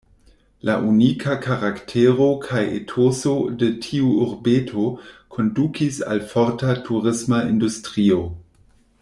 La unika karaktero kaj etoso de tiu urbeto kondukis al forta turisma industrio.